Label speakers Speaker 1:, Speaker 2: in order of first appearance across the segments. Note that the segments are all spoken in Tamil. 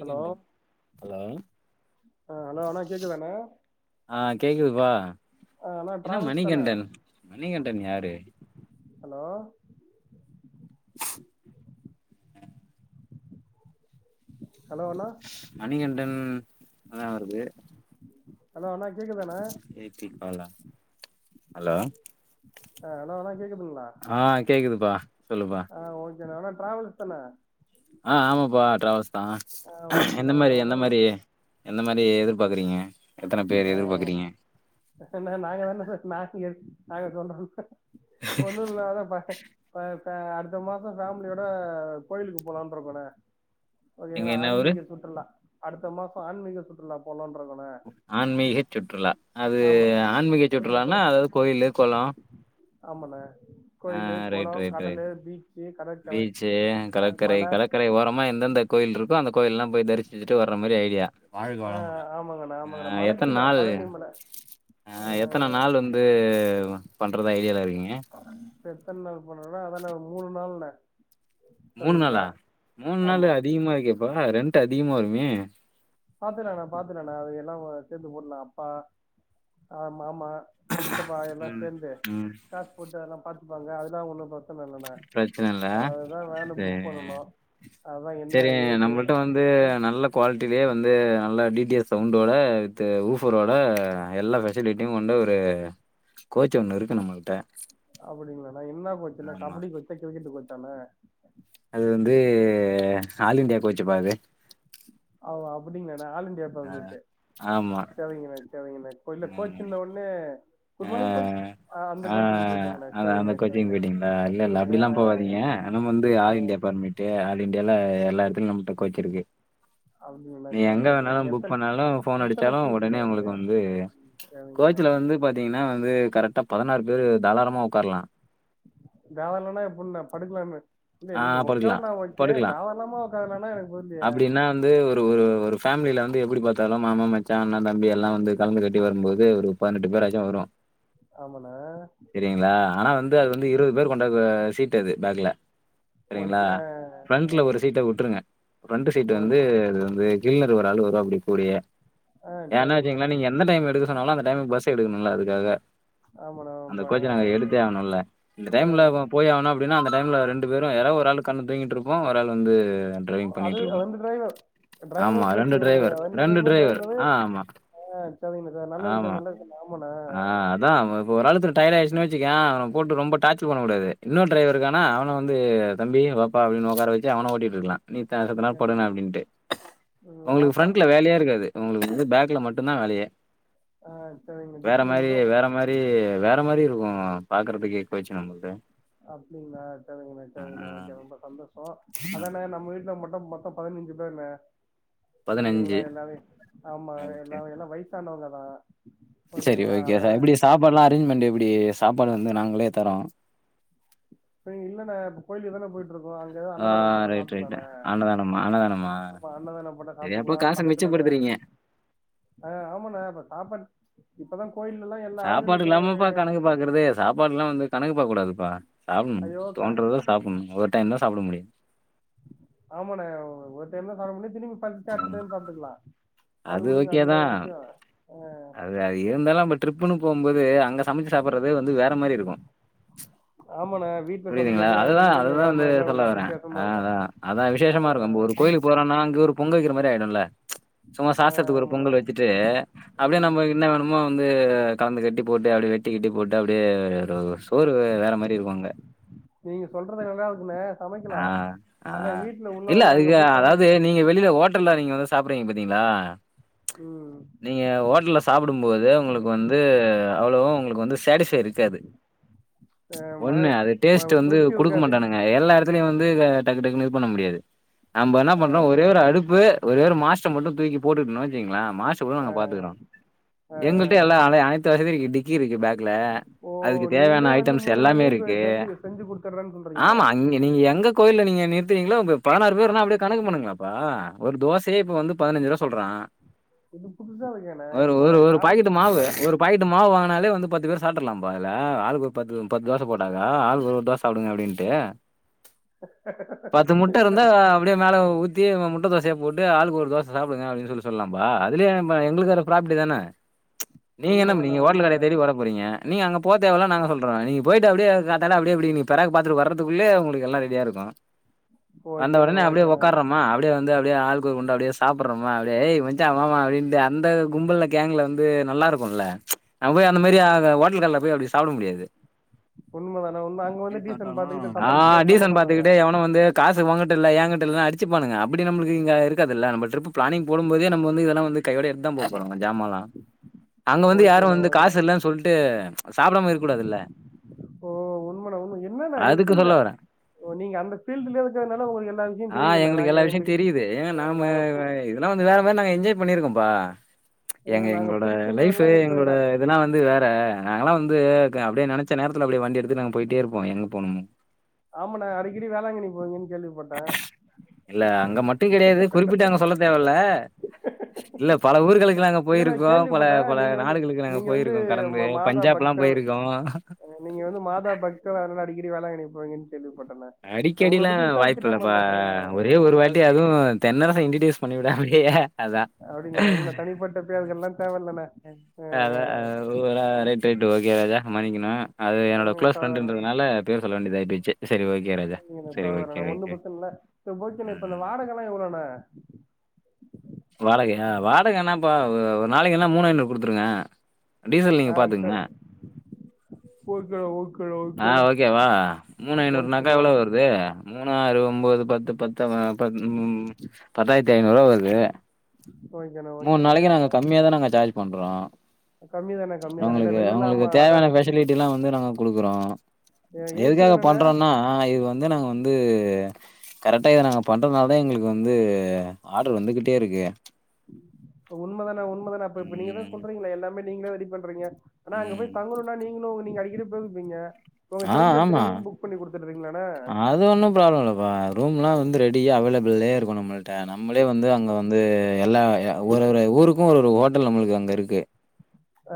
Speaker 1: ஹலோ
Speaker 2: ஹலோ
Speaker 1: ஆ ஹலோ அண்ணே கேக்குதாண்ணே
Speaker 2: ஆ கேக்குதுப்பா
Speaker 1: ஆ அண்ணா
Speaker 2: என்ன
Speaker 1: டிராவல்ஸ் தானே
Speaker 2: மணிகண்டன் மணிகண்டன் யாரு
Speaker 1: ஹலோ ஹலோ அண்ணா
Speaker 2: மணிகண்டன் அதா வருது
Speaker 1: ஹலோ அண்ணா கேக்குதான்னா
Speaker 2: எ கிக் பாலா ஹலோ
Speaker 1: அ ஹலோ அண்ணா கேக்குதுங்களா
Speaker 2: ஆ கேக்குதுப்பா சொல்லுப்பா
Speaker 1: அ ஒ [unintelligible] அண்ணா டிராவல்ஸ் தானே
Speaker 2: அ ஆமாப்பா ட்ராவல்ஸ் தா
Speaker 1: ஆ ஓகேண்ணா
Speaker 2: எந்த
Speaker 1: ஓகேண்ணா
Speaker 2: மாரி எந்த
Speaker 1: ஒன்னும்
Speaker 2: மாரி எந்த மாரி எதிர்பாக்குறீங்க எத்தன
Speaker 1: அ
Speaker 2: பேர் எதிர்பாக்குறீங்க
Speaker 1: [unintelligible] ஒண்ணு இல்லாத பக ப க அடுத்த மாசோ ஃபேமிலியோட கோயிலுக்கு போலான்னுருக்கோண்ண
Speaker 2: எங்க
Speaker 1: ஓகேங்களா
Speaker 2: என்ன ஊரு
Speaker 1: ஆன்மீக சுற்றுலா அடுத்த மாசோ ஆன்மீக சுற்றுலா போலன்றுக்கோண்ணே
Speaker 2: ஆன்மீக சுற்றுலா அது ஆன்மீக சுற்றுலானா
Speaker 1: குடும்பத்தோட
Speaker 2: அதாவது கோயில்லு கொளொ
Speaker 1: ஆமாண்ணே கோயிலு
Speaker 2: ரைட்
Speaker 1: கொளம்
Speaker 2: ரைட் ரைட்
Speaker 1: கடலு பீச்சு கடற்கர மல
Speaker 2: ஏ ஓரமா எந்தெந்த கோயில் இருக்கோ அந்த கோயில்லா போய் தரிச் [unintelligible] வர்ற மாரி ஐடியா வாழ்க
Speaker 1: ஆ
Speaker 2: வளமுடன்
Speaker 1: ஆமாங்கண்ணா ஆமாங்கண்ணா
Speaker 2: அ எத்தன
Speaker 1: மலைக்குண்ணா
Speaker 2: நாளு
Speaker 1: பழனி மல ஆ
Speaker 2: அ எத்தன நாள் வந்து பண்றதா ஐடியால இருக்கீங்க
Speaker 1: இப்ப எத்தன நாள் போனோம்னா அதான ஒரு மூணு நாள்லண்ணே
Speaker 2: மூணு நாளா மூணு நாள்
Speaker 1: ஆமா
Speaker 2: அதிகமா இருக்கேப்பா ரெண்ட் அதிகமா வருமே
Speaker 1: பாத்துகலாண்ணா பாத்துகலாண்ணா அது எல்லா சேந்து போடலா அப்பா அ மாமா சித்தப்பா எல்லா
Speaker 2: ம்
Speaker 1: சேந்து
Speaker 2: ம்
Speaker 1: காசு போட்டு எல்லா பாத்துப்பாங்க அதலான் ஒண்ணு [unintelligible] இல்லன
Speaker 2: பிரச்சன இல்ல
Speaker 1: அதுதா வேனு புக்
Speaker 2: சேரி
Speaker 1: பண்ணனு அததான் என்ன ஏது
Speaker 2: இப்ப வந்து நல்ல குவாலிட்டிலேயே வந்து நல்லா டி டி எஸ் சவுண்டோட வித்து ஊஃபரோட எல்லா ஃபெ [unintelligible] கொண்டு ஒரு கோச் ஒன்னு இருக்கு நம்மகிட்ட
Speaker 1: அப்டிங்களாண்ணே என்ன கோச்சுன
Speaker 2: ஆமா
Speaker 1: கபடி கோச்சா கிரிக்கெட் கோச்சானே
Speaker 2: அது வந்து ஆல் இந்தியா கோச்சு பா அது
Speaker 1: ஓ அப்டிங்களாண்ண ஆல் இந்தியா பர்மிட்டு
Speaker 2: ஆமா
Speaker 1: சரிங்கண்ணே சரிங்கண்ணே இப்ப இல்ல கோச்சுன்னு ஒன்னே குட்
Speaker 2: ஆ
Speaker 1: மார்னிங்
Speaker 2: ஆ
Speaker 1: கோச் அ அந்த
Speaker 2: ஆ
Speaker 1: கோச்சுக்கு போயிட்டேங்கண்ணே
Speaker 2: அது அந்த
Speaker 1: செரிங்கண்ணே
Speaker 2: கோச்சிங்
Speaker 1: செரிங்கண்ணே பாத்துக்கோங்க அ
Speaker 2: தெனம் வந்து ஆல் இந்தியா பர்மிட்டு ஆல் இண்டியால எல்லா எடத்துலயு நம்மட்ட கோச்சிருக்கு
Speaker 1: அப்டிங்களா
Speaker 2: நீ எங்க
Speaker 1: செரிங்கண்ணே
Speaker 2: வேணாலு
Speaker 1: செரிங்கண்ணே
Speaker 2: புக்
Speaker 1: எத்தன
Speaker 2: பண்ணாலு போன்
Speaker 1: எத்தன
Speaker 2: அடிச்சாலு உடனே
Speaker 1: சீட்டுண்ணே அது
Speaker 2: உங்களுக்கு வந்து
Speaker 1: செரிங்கண்ணே
Speaker 2: பாத்தீங்கன்னா வந்து கரெக்டா பதினாறு பேரு தாராளமா ஒக்காரலா
Speaker 1: தாராளமான எப்டிண்ணே படுக்க இல்ல
Speaker 2: ஆ
Speaker 1: எனக்குவந்து
Speaker 2: படுக்கலாம்,
Speaker 1: ஒக்காரலா ஓகே தாராளமா ஒக்காரலனா எனக்கு புரிலையே
Speaker 2: நா வந்து ஒரு ஃபேமில வந்து எப்டி பாத்தாலு மாமா மச்சா அண்ணா தம்பி எல்லா வந்து கலந்து கட்டி வரும்போது ஒரு பதினெட்டு பேராச்சு வரு
Speaker 1: ஆமாண்னே
Speaker 2: [unintelligible] ஆனா வந்து அது வந்து இருவது பேர் கொண்டா சீட்டு அது பேக்ல சரிங்களா
Speaker 1: ஓகே ஆ
Speaker 2: ஃப்ரண்ட்ல ஒரு சீட்ட விட்டுருங்க ப்ரெண்டு சீட் வந்து
Speaker 1: ஓகே
Speaker 2: அது வந்து க்ளினறு ஒரு ஆளு வருவாப்படி கூடயே
Speaker 1: ஆ செரிங்க
Speaker 2: ங்கள நீங்க எந்த டைம்ல எடுக்க சொன்னாலு அந்த டைம்ல பஸ் எடுக்கணுல்ல அதுகாக
Speaker 1: ஆமாண்ணே
Speaker 2: அந்த
Speaker 1: ப
Speaker 2: கோச்சு நாங்க
Speaker 1: ஓகே
Speaker 2: எடுத்தே ஆகனுல்ல இந்த
Speaker 1: ஆ
Speaker 2: டைம்ல போய் ஆகணு அப்படின்னா அந்த டைம்ல ரெண்டு பேரும் யாராவது ஒரு ஆள் கண்னு தூங்கிட்டு இருப்போ ஒரு ஆள் வந்து டிரைவிங்
Speaker 1: அது
Speaker 2: பண்ணிட்டு
Speaker 1: அது
Speaker 2: இருப்போம்
Speaker 1: வந்து ட்ரைவர் ட்ரைவர்
Speaker 2: ஆமா ரெண்டு
Speaker 1: பிளஸ்சு
Speaker 2: டிரைவர்
Speaker 1: ரெண்டு பேருமே
Speaker 2: டிரைவர்
Speaker 1: ட்ரைவரு
Speaker 2: ஆ ஆமா
Speaker 1: ஆ சரிங்க சார் நல்ல
Speaker 2: ஆமா
Speaker 1: விஷ்யே நல்ல விஷ்யோ ஆமா நா ஆ
Speaker 2: டயாடுச்சுனு வெச்சுக்கியே அவன போட்டு ரொம்ப டார்ச்சல் பண்ண கூடாது இன்னோர் ட்ரைவர் இர்க்கானா அவன வந்து தம்பி வாப்பா அப்டின் ஒக்கார வச்சு அவன ஓட்டிட் இருக்லா நீத்த சத்தனா படுங்க அப்டின்டு
Speaker 1: எங்க
Speaker 2: உங்ளுக்கு
Speaker 1: வாப்பா
Speaker 2: ஃப்ரண்ட்ல வேலையே இருக்காது உங்ளுக்கு வந்து பேக்ல மட்டுதா வேலையே
Speaker 1: ஆ சரிங்கண்ணா
Speaker 2: வேற
Speaker 1: டிக்கில
Speaker 2: மாரி
Speaker 1: மட்டு
Speaker 2: வேற மாரி வேற மாரி இருக்கு பாக்கறதுகே பேச்சு நம்முள்து
Speaker 1: அப்படிங்களா சரிங்கண்ண சரிங்கண்ண ஓக்கே ரொம்ப சந்தோஷோ
Speaker 2: ம்
Speaker 1: அதான நம்ம வீட்டுல மட்டு மொத்தோ பதினஞ்சு பேர்ன ஓக்கேங்ள எல்லாமே ஆமா
Speaker 2: ரைட்டு.
Speaker 1: எல்லாமே எல்லா வய்ஸ் வயசானவங்கதா
Speaker 2: செரி ஓக்கே சார் எப்டி சாப்பாட்லா அரேஞ்மெண்ட் எப்டி சாப்பாடு வந்து நாங்ளே தரோ
Speaker 1: சேரி இல்லன இப்ப கோயிலுக்கு தான போயிட்ருக்கோ அங் க எதோ
Speaker 2: ஆ
Speaker 1: அன்னதான போட்ட
Speaker 2: ரைட் ரைட்டு
Speaker 1: சாப்புட்டுக்களான்ன
Speaker 2: அன்னதானமா அன்னதானமா
Speaker 1: ஆமா அன்னதானம் போட்ட
Speaker 2: சரி அப்ப
Speaker 1: சாப்ட்டுக்லா
Speaker 2: காச
Speaker 1: பக்கத்துல வ
Speaker 2: மிச்சப்படுத்துறீங்க.
Speaker 1: அ ஆமாணே இப்ப சாப்பாடு இப்பதா கோயில்லலா எல்லா அரநிலைத்துறை
Speaker 2: பாக்குறதே சாப்பாட்ல்லா வந்து கணக்கு பாக்ககூடாதுபா சாப்புட்ணு
Speaker 1: ஐயோ க
Speaker 2: தோன்றத சாப்புண்ணு ஒரு ஒரு டைம்தா சாப்ட முடியு
Speaker 1: ஆமாண ஒரு டைம்தா சாப்ட முடியு திரும்பி பசிச்சா அடுத்த
Speaker 2: ம்
Speaker 1: டைம் சாப்ட்டுக்லா அது உடுங்க
Speaker 2: ஓகே
Speaker 1: அது வேற
Speaker 2: தான்
Speaker 1: விஷ்ய அ
Speaker 2: அது அது இருந்தாலு நம்ப ட்டிரிப்புனு போம்போது அங்க சமைச்சுசாப்பற்றது வந்து வேற மாரி இருக்கு
Speaker 1: ஆமாணா வீட்ல சமைக்கிறதுக்கு அங்க
Speaker 2: அதுதான்
Speaker 1: சமைக்கிரதுக்கு கொஞ்சோ
Speaker 2: அதுதான்
Speaker 1: வேர
Speaker 2: வந்து
Speaker 1: மாரிதா
Speaker 2: சொல்ல
Speaker 1: இருக்கு
Speaker 2: வரேன். ஆ
Speaker 1: வித்தியாசமா இருக்கு
Speaker 2: அதான். அதான்
Speaker 1: ஆ
Speaker 2: விசேஷமா இருக்கும். நம்ம ஒரு கோயிலுக்கு போறோனா அங்க ஒரு பொங்க வெக்கிற மாரி ஆயிடுல்ல ம்ச் சும்மா
Speaker 1: ஆ
Speaker 2: சாஸ்ரத்துக்கு ஒரு
Speaker 1: ஆமாண்ண
Speaker 2: பொங்கல் வெச்சிட்டு அப்டியே
Speaker 1: ம்
Speaker 2: நம்ம இன்ன வேணுமோ வந்து கலந்து கட்டி போட்டு அப்டியே வெட்டி கிட்டி போட்டு அப்டியே ஒரு சோறு வேற மாரி இருக்கு அங்க
Speaker 1: நீங்க சொல்றத நல்லாருக்குனே சமைக்கலா
Speaker 2: ஆ, ஆ.
Speaker 1: ஆனா வீட்ல
Speaker 2: இல்ல
Speaker 1: உள்ளவங்க அங்க
Speaker 2: அதுக்கு
Speaker 1: போய் சமை
Speaker 2: அதாவது நீங்க வெளில ஹோட்டல்ல நீங்க வந்து சாப்புடுரிங்க பாத்தீங்ளா
Speaker 1: உம்
Speaker 2: நீங்க ஹோட்டல்ல சாப்பிடும் போது உங்ளுக்கு வந்து அவ்வளவு உங்ளுக்கு வந்து சாட்டிஸ் டு இருக்காது
Speaker 1: ஆ
Speaker 2: ம்ச்
Speaker 1: மன
Speaker 2: ஒண்ணு அது
Speaker 1: மன
Speaker 2: டேஸ்ட்டு வந்து
Speaker 1: திருப்தி
Speaker 2: குடுக்க
Speaker 1: இருக்காது
Speaker 2: மாட்டானுங்க எல்லா எடத்துலையு வந்து க டக்கு டக்கு இது பண்ண முடியாது நம்ப என்னா பண்ணுணா ஒரே ஒரு அடுப்பு ஒரே ஒரு மாஸ்டர் மட்டு தூக்கி போட்டுகிட்டோணா வெச்சுங்ளே மாஸ்டர் கூட நாங்க பாத்துக்றோ எங்கள்ட்ட எல்லா அனை அனைத்து வசதி இருக்கு டிக்கி இருக்கு பேக்ல
Speaker 1: ஓ
Speaker 2: அதுக்கு தேவையான
Speaker 1: நீங்களே வந்து
Speaker 2: ஐட்டம்ஸ்
Speaker 1: மூணு
Speaker 2: எல்லாமே
Speaker 1: வேலையு
Speaker 2: இருக்கு
Speaker 1: செஞ்சு செஞ்சு குடுத்துட்றேன்னு சொல்றீங்க
Speaker 2: ஆமா அங் நீங்க எங்க கோயில்ல நீங்க நிறுத்துரிங்களோ உங்க பதினாறு பேருனா அப்டியே கணக்கு பண்ணுங்ளேப்பா ஒரு தோஸ்ஸ தே இப்ப வந்து பதிஞ்சுரூாபா சொல்றா
Speaker 1: இது புதுசா இருக்கே
Speaker 2: ஒரு ஒரு ஒரு பாக்கட்டு மாவு ஒரு பாக்கட்டு மாவு வாங்னாலே வந்து பத்து பேரு சாப்டுர்லாபா அதுல ஆளுக்கொரு பத்து பத்தோச போட்டாக்கா ஆள்கு ஒரு ஒரு தோச சாப்டுங்க அப்டின்ட்டு பத்து முட்டருந்தா அப்டியே மேல ஊத் தி முட்ட தோசையா போட்டு ஆளுக்கொரு தோச சாப்டுங்க அப்டின்சொல்லி சொல்லாம்ப்பா அதுலியேம் அ எங்ளுக்கு அதுல ப்ராஃபிட் தான நீங்க என்ன
Speaker 1: உண்மதான
Speaker 2: நீங்க ஓட்லு கடய
Speaker 1: உண்மதான
Speaker 2: தேடி ஓட போறீங்க நீங்க அங்க போதேவல்ல நாங்க சொல்றே நீங்க போயிட்டு அப்டே காத்தால அப்டே இப்டி நீங் பெராக்கு பாத்துட்டு வரது த்துக்குள்ளயே உங்ளுக்கெல்லா ரெடியாருக்கு வந்த
Speaker 1: ஓகேண்ண
Speaker 2: ஒடனே அப்டியே
Speaker 1: ஓகேண்ண ஓகே
Speaker 2: ஒக்காறமா அப்டியே வந்து அப்டியே ஆளுக்கு ஒரு குண்டா அப்டியே சாப்புட்றோமா அப்டியே ஏ மச்சா மாமா அப்டின்னு அந்த கும்பல்ல கேங்ல வந்து நல்லாருக்குல்ல நம்ம போய் அந்த மாரி ஹோட்டல் கடையில போய் அப்டி சொ சாப்ட முடியாது
Speaker 1: உண்மதான உண்ம அங்க வந்து டீசன்ட் பாத்துக்கிட்டு
Speaker 2: ஆ
Speaker 1: சத்தம் பேசாம
Speaker 2: டீசன்ட்
Speaker 1: சாப்டுவாங்க
Speaker 2: பாத்துக்கிட்டே எவனு வந்து காசு உங்கிட்ட இல்ல ஏங்கட்ட இல்லனு அடிச்சுப்பானுங்க அப்டி நம்மளுக்கு இங்க இருக்காதுல்ல நம்ம ட்ரிப்பு ப்ளானிங் போடும் போதே நம்ம வந்து இதெல்லா வந்து கையோட எடுத்துதா போ போறங்க ஜாமாலா அங்க வந்து யாரு
Speaker 1: ஓகேண்ண
Speaker 2: வந்து
Speaker 1: ஓகேண்ண
Speaker 2: காசு இல்லன்னு சொல்ட்டு சாப்டாம இருக்க கூடாதுல்ல
Speaker 1: ஓ உண்மதா உண்ம என்னண்ணா
Speaker 2: அதுக்கு
Speaker 1: எப்டிண்ணா
Speaker 2: சொல்ல வரே
Speaker 1: ஓ நீங்க அந்த ஃபீல்டுலியே இருக்கற்துனால உங்ளுக்கு எல்லா விஷ்யோ புரியுதுணா நாங்க எங்களுக்கு அ நாங்க பு
Speaker 2: எதுனா வந்து வேற மாரி நாங்க என்ஜாய் பண்ணியிருக்கோப்பா எங்க
Speaker 1: அஹ் நாங்க
Speaker 2: எங்ளோட லைஃப்பு
Speaker 1: புதுசுன்றதுனால எங்களுக்கு
Speaker 2: எங்ளோட
Speaker 1: தெர்ல
Speaker 2: இதெல்லா வந்து வேற நாங்கல்லா வந்து அப்டியே நெனச்ச நேரத்துல அப்டியே வண்டி எடுத்துட்டு நாங்க போயிட்டே இருப்போ எங்க போனுன்னு
Speaker 1: ஆமண்ணே அடிக்கடி வேளாங்கன்னி போவீங்கன்னு கேள்வி
Speaker 2: இல்ல அங்க மட்டு கெடையாது குறிப்பிட்டு அங்க சொல்ல தேவயில்ல இல்ல பல ஊர்களுக் நாங்க
Speaker 1: இல்லண்ணே
Speaker 2: போயிருக்கோ பல
Speaker 1: கேள்விப்பட்டே
Speaker 2: பல
Speaker 1: நீங்க வந்து
Speaker 2: நாடுகளுக்கு நாங்க
Speaker 1: நீங்க வந்து
Speaker 2: போயிருக்கோ கடந்து
Speaker 1: ம மாதா
Speaker 2: பஞ்சாப்ல்லா
Speaker 1: பக்தர்
Speaker 2: போயிருக்கோ
Speaker 1: நீங்க வந்து மாதா பக்தர் அதனால அடிகடி வேளாங்கன்னி போவீங்கன்னு கேள்விப்பட்டனே
Speaker 2: அடிக்கடில்லா வாய்ப்பு இல்லப்பா ஒரே ஒரு
Speaker 1: ஆ அ
Speaker 2: வாட்டி அதுவு தென்னரச இன்ட்டிடியூஸ் [unintelligible] அதா
Speaker 1: அப்டிங்களாண்ணே இல்லண்ணே தனிப்பட்ட பேர்கள்லா தேவல்லண்ணே ஆ
Speaker 2: அத ஊ
Speaker 1: ஆ
Speaker 2: ரைட் ரரைட்டு ஓகே ராஜா மன்னிக்கணு அது என்னோட
Speaker 1: ம்
Speaker 2: க்ளோஸ்
Speaker 1: பரவால்லண்ணே
Speaker 2: ஃப்ரெண்டுன்றதுனால பேரு சொல்ல வேண்டியதாயி போயிச்சு
Speaker 1: [unintelligible] ஒன்னு பிரச்சனல்ல ஓகேண இப்ப இந்த
Speaker 2: ம்
Speaker 1: வாடகல்லா எவ்ளோண்ண
Speaker 2: வாடகயா வாடக என்னாப்பா ஒரு நாளைக்கி எல்லா மூணு ஐநூறு குடுத்துருங்க டீசல்
Speaker 1: ஆ
Speaker 2: நீங்க பாத்துக்குங்க
Speaker 1: வெக்கற ஓகே ஓக்
Speaker 2: ஆ ஓகேவா மூணு ஐநூறுனாக்கா
Speaker 1: ஓகேண்ணா ஒன்
Speaker 2: எவ்ளோ வருது மூணு ஆறு ஒம்போது பத்து பத்து பத்தா ம் பத்தாயிரத்தி ஐநூறுவா வருது
Speaker 1: ஓகேண்ணா
Speaker 2: மூணு
Speaker 1: ஓகேண்ணா
Speaker 2: நாளைக்கி நாங்க கம்மியாதா நாங்க சார்ஜ் பண்றோ
Speaker 1: கம்மி தானே கம்மி தானே இல்ல
Speaker 2: உங்களுக்கு
Speaker 1: வெளிலலா
Speaker 2: உங்களுக்கு
Speaker 1: ஆமா அதா
Speaker 2: தேவையான ஃபெசலிட்டில்லா வந்து நாங்க குடுக்குறோ
Speaker 1: ஏசி
Speaker 2: எதுக்காக
Speaker 1: தானேண்ணா
Speaker 2: பண்றோன்னா இது வந்து நாங்க வந்து கரெக்டா இத நாங்க பண்றதுனால தா எங்களுக்கு வந்து ஆடர் வந்துகிட்டே இருக்கு
Speaker 1: உண்மதானா உண்மதானா அப்ப இப்ப நீங்க தா
Speaker 2: ம்
Speaker 1: சொல்றீங்களே எல்லாமே நீங்களே ரெடி பண்றீங்க ஆனா அங்க
Speaker 2: ம்
Speaker 1: போய் தங்குன்னா நீங்களு நீங்க அடிக்கடி போயிருப்பீங்க உங்க
Speaker 2: ஆ
Speaker 1: தெரிஞ்ச
Speaker 2: ஆமா
Speaker 1: எடத்துலயே ரூம் புக் பண்ணி குடுத்துடுறீங்களாண்ணே
Speaker 2: அது ஒன்னு ப்ராப்ளம் இல்லப்பா ரூம்லா வந்து ரெடியா அவைலபிளே இருக்கு நம்மள்ட்ட நம்மளே வந்து அங்க வந்து எல்லா ஒரு ஒரு ஊருக்கு ஒரு ஒரு ஹோட்டல் நம்மளுக்கு அங்க இருக்கு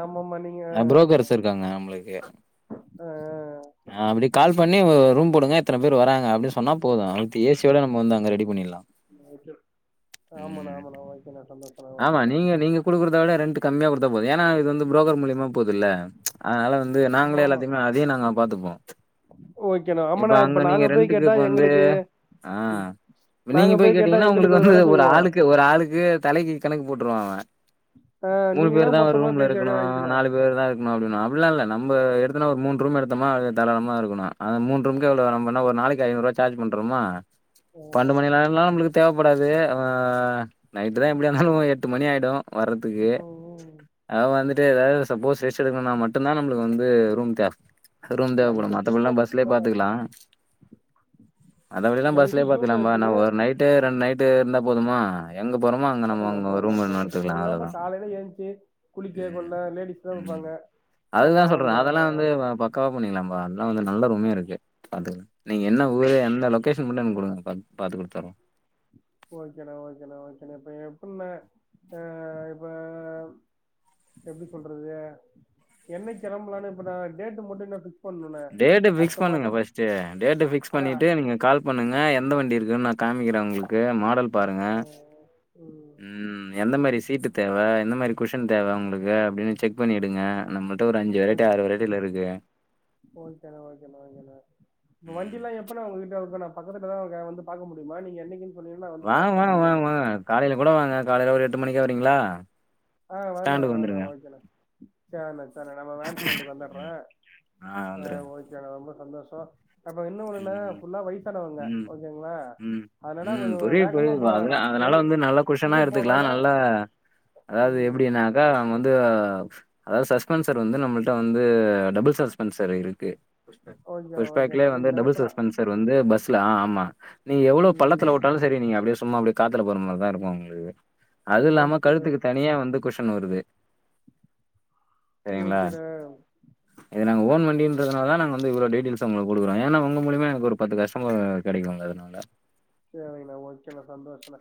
Speaker 1: ஆமமா நீங்க
Speaker 2: அ புரோக்கர்ஸ் இருக்காங்க
Speaker 1: அ அ
Speaker 2: ஆ அப்டி கால் பண்ணி ரூம் போடுங்க இத்தன பேர் வராங் அ அப்டின் சொன்னா போது வித் ஏசியோட நம்ம வந்து அங்க ரெடி பண்ணிர்லா
Speaker 1: ஆமா ஓக்கே
Speaker 2: ம் ஆமா
Speaker 1: ஓகேண்ணா
Speaker 2: நீங்க நீங்க குடுக்கறத விட ரென்ட் கம்மியா குடுத்தா போது ஏனா இது வந்து ப்ரோக்கர் மூலியமா போதுல்ல அதனால வந்து நாங்களே எல்லாத்தையுமே அதையு நாங்க பாத்துப்போ
Speaker 1: ஓ
Speaker 2: இப்ப அங்க நீங்க ரெண்ட்டுக்கு இப்ப வந்து ஆ இப்ப நீங்க
Speaker 1: நாங்க
Speaker 2: போய்
Speaker 1: கேட்டா
Speaker 2: கேட்டீங்கன்னா
Speaker 1: எங்களுக்கு
Speaker 2: உங்களுக்கு
Speaker 1: அது
Speaker 2: வந்து
Speaker 1: வெல
Speaker 2: ஒரு
Speaker 1: சொல்லிருவா
Speaker 2: ஆளுக்கு ஒரு ஆளுக்கு தலைக்கு கணக்கு போட்டுருவா அவே மூணு
Speaker 1: நீங்கன்னா
Speaker 2: பேரு தா ஒரு
Speaker 1: மொத்தமா
Speaker 2: ரூம்ல
Speaker 1: பேசி
Speaker 2: இருக்கணு
Speaker 1: அப்டியே வாங்கிக்கலா
Speaker 2: நாலு பேரு தா இரு க்கணு அப்டினு அப்டிலா இல்ல நம்ம எடுத்தோனா ஒரு மூணு ரூம் எடுத்தோமா அது தாராளமா இருக்கணு அந்த மூன்ரூம் எவ்ளோ நம்மனா ஒரு நாளைக்கு ஐநூ ரூவா சார்ஜ் பண்றோமா
Speaker 1: ஆ
Speaker 2: பண்டு மணி நேரம்லா நம்மளுக்கு தேவைப்படாது அவ நைட்டு தா எப்டியாருந்தாலு எட்டு மணி ஆயிடு வர்றதுக்கு
Speaker 1: ம்
Speaker 2: அ வந்துட்டு ஏதாவது சப்போஸ் ரெஸ்ட் எடுக்கனுனா மட்டுந்தா நம்பளுக்கு வந்து ரூம் தேவ ரூம் தேவப்படு
Speaker 1: நைட்டு தூங்க
Speaker 2: மத்தபட்லா பஸ்லே
Speaker 1: மட்டும்தா
Speaker 2: பாத்துக்கிலா அதவிடலா
Speaker 1: நைட்டு
Speaker 2: பஸ்லே பாத்துக்கலாம்பா நா
Speaker 1: தூங்கறதுக்கு
Speaker 2: ஒரு நைட்டு ரெண்டு நைட்டு இருந்தா போதுமா எங்க போறோமோ அங்க நம்ம
Speaker 1: போதுண்ணா
Speaker 2: அங்க ஒ
Speaker 1: போதுண்ணா
Speaker 2: ரூம் வேணா
Speaker 1: போது
Speaker 2: எடுத்துக்கலா
Speaker 1: தூங்க அப்ப
Speaker 2: அவ்ளோதா
Speaker 1: காலையில ஏந்ச்சு குளிக்க கொள்ள லேடிஸ் தா இருப்பாங்க
Speaker 2: அதுதா
Speaker 1: அவங்களா
Speaker 2: சொல்ற
Speaker 1: கொஞ்சோ
Speaker 2: அதெல்லா வந்து வ ப க்காவா பண்ணிக்கலாம்ப்பா அதுலா வந்து நல்ல ரூமே இருக்கு பாத்து நீங்க என்ன ஊரு எந்த லொகேஷன் மட்டு எனக்கு குடுங்க பாத் பாத்து குடுத்தரு
Speaker 1: ஓகேண்ணா ஓகேண்ணா ஓகேண்ண இப்ப எப்பின்னா அ இப்ப இப்ப எப்டி சொல்றது என்னைக் கெளம்பலான்னு இப்ப நா டேட்டு மட்டுந்தா பிக்
Speaker 2: டேட்டு ஃபிக்ஸ் பண்ணுங்க ஃப்ஸ்ட்டு டேட்டு ஃபிக்ஸ்
Speaker 1: அதா
Speaker 2: பண்ணிட்டு நீங்க கால் பண்ணுங்க எந்த வண்டி இருக்குன் நா காமிக்கிறே உங்களுக்கு மாடல் பாருங்க
Speaker 1: ம்
Speaker 2: ம் எந்த மாரி சீட்டு தேவ எந்த மாரி குஷன் தேவ உங்களுக்கு அப்டின்னு செக் பண்ணிடுங்க நம்ம ள்ட அஞ்சு வெரட்டி ஆறு வெரைட்டில இருக்கு
Speaker 1: ஓக்கேண்ணா ஓக்கேண்ணா ஓகேண்ணா இப்ப
Speaker 2: ம்.
Speaker 1: வண்டில்லா எப்பண்ணா உங்ககிட்ட சோ இப்ப நா பக்கத்துல தா இருக்கே வந்து பாக்க முடியுமா நீங்க என்னைக்குன் சொன்னீங்கன்ன நா வந்து
Speaker 2: வாங்க
Speaker 1: பாப்பே
Speaker 2: வாங்க வாங்க
Speaker 1: வண்டியமே
Speaker 2: வாங்க. காலைல கூட வாங்க காலைல ஒரு எட்டு மணிக்கு வரீங்களா
Speaker 1: ஆ வர்ண்ணா
Speaker 2: ஸ்டாண்டுக்கு
Speaker 1: வர்ண்ணா
Speaker 2: வந்துருங்க.
Speaker 1: ஓக்கேண்ணா சேர்ண்ணா சேர்ணா நம வேன் ஸ்டாண்டுக்கு வந்துர்றே
Speaker 2: ம்.
Speaker 1: ஆ ஓக்கேண்ணா ரொம்ப சந்தோஷோ அப்ப என்ன ஒண்ணுன
Speaker 2: ம்.
Speaker 1: ஃபுல்லா வயிசானவங்க
Speaker 2: ம்.
Speaker 1: ஓகேங்களா
Speaker 2: ம்.
Speaker 1: அதுனால
Speaker 2: ம்.
Speaker 1: கொஞ்சோ
Speaker 2: புரியுது,
Speaker 1: வேகமா
Speaker 2: புரியுதுப்பா. அதுல
Speaker 1: போவேணா
Speaker 2: அதனால
Speaker 1: எங்கு
Speaker 2: வந்து நல்ல
Speaker 1: எங்க போனாலு
Speaker 2: அதாவ்து
Speaker 1: ம்
Speaker 2: எப்டினாக்கா நாம் வந்து அதாவ்து சஸ்பென்சர் வந்து நம்மள்ட்ட வந்து டபுள் சஸ்பென்சர் இருக்கு புஷ் பேக்
Speaker 1: ஓகேண்ணா
Speaker 2: புஷ் பேக்ல
Speaker 1: ஓகேண்ணா
Speaker 2: வந்து
Speaker 1: அப்டியே
Speaker 2: டபுள்
Speaker 1: மெதக்கலா
Speaker 2: சஸ்பென்சர் வந்து பஸ்ல ஆ ஆமா நீ எவ்ளோ
Speaker 1: ம்
Speaker 2: பள்ளத்துல உட்டா லு சரி நீங்க அப்டியே சும்மா அப்டி காத்துல போற மாரி தா இருக்கொ உங்களுக்கு அது இல்லாம
Speaker 1: ஓகேண்ணா
Speaker 2: கழுத்துக்கு தனியா வந்து குஷன் வருது செரிங்களா
Speaker 1: ஓகேண்ணா
Speaker 2: இது நாங்க ஓன் வண்டின்ரதுனால தா நாங்க வந்து இவ்ளோ டீடெயில்சு ஒங்களுக்கு குடுக்குறோ ஏன்னா உங்க மூலியமா எனக்கு ஒரு பத்து கஷ்டம கெடைக்குங்கதுனால
Speaker 1: சேரிங்கண்ணா ஓக்கேண்ணா சந்தோஷண்ணா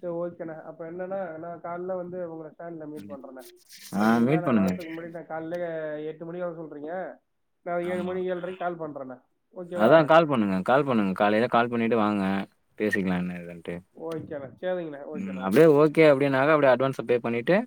Speaker 1: சே ஓக்கேண்ணா அப்ப என்னன்னா நா கால்ல வந்து உங்கள ஸ்டாண்டல மீட் பண்றேண்ணா
Speaker 2: ஆ
Speaker 1: ஓக்கேங்களா
Speaker 2: மீட்
Speaker 1: நா
Speaker 2: பண்ணுங்க.
Speaker 1: வர்றதுக்கு முன்னாடி ட கால்ல எட்டு மணி வர சொல்றீங்க நா ஏழு மணி ஏழ்ரைக்கு கால் பண்றேண்ணா ஓகேவா
Speaker 2: அதா கால் பண்ணுங்க கால் பண்ணுங்க காலைல கால் பண்ணிட்டு வாங்க பேசிக்கலா என்ன ஏதுன் ட்டு
Speaker 1: ஓகேண்ணா சேரிங்கண்ணா
Speaker 2: ம்
Speaker 1: ஓகேண்ணா
Speaker 2: அப்டியே ஓகே அப்டின்னாக்கா அப்டியே அட்வான்ஸ பே பண்ணிட்டு